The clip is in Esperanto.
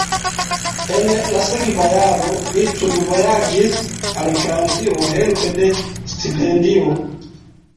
En la sekva jaro li studvojaĝis al Francio helpe de stipendio.